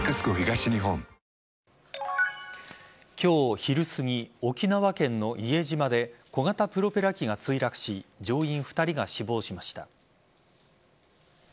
今日昼すぎ沖縄県の伊江島で小型プロペラ機が墜落し乗員２人が死亡しました。